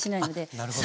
あなるほど。